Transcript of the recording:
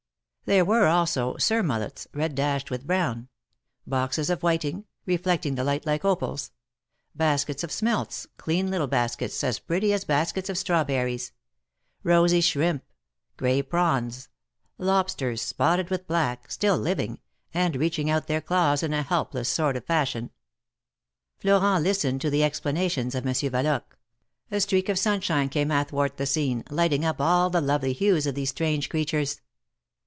There were also sur mullets, red dashed with brown ; boxes of whiting, reflecting the light like opals — baskets of smelts, clean little baskets, as pretty as baskets of strawberries — rosy shrimp — gray prawns — lobsters, spotted with black, still living, and reaching out their claws in a helpless sort of fashion. Florent listened to the explanations of Monsieur Valoque. A streak of sunshine came athwart the scene, lighting up all the lovely hues of these strange creatures.